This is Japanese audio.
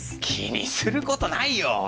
気にすることないよ